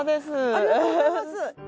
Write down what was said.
ありがとうございます。